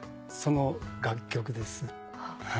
その楽曲です。